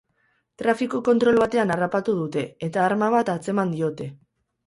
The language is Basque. Trafiko kontrol batean harrapatu dute, eta arma bat atzeman diote.